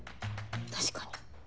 確かに。